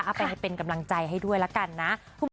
ไปเป็นกำลังใจให้ด้วยละกันนะ